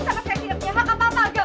kamu sangat yakin ini hak apa apa agam